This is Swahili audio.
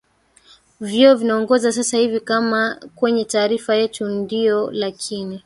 vyo vinaongoza sasa hivi kama kwenye taarifa yetu ndio lakini